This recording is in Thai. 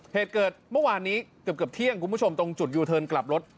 เหตุเกิดเมื่อวานนี้เกือบเที่ยงคุณผู้ชมตรงจุดยูเทิร์นกลับรถ